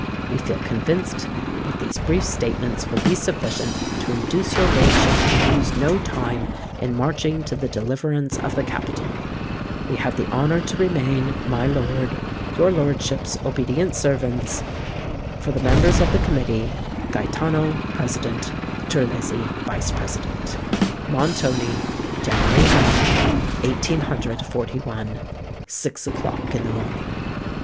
"We feel convinced that these brief statements will be sufficient to induce your lordship to lose no time in marching to the deliverance of the capital. "We have the honour to remain, My Lord, "Your lordship's obedient servants, "For the Members of } GAETANO, President. the Committee } TERLIZZI, Vice President. "Montoni, January 9th, 1841 (Six o'clock in the morning.)"